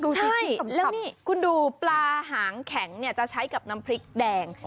ใช่แล้วนี่คุณดูปลาหางแข็งจะใช้กับน้ำพริกแดง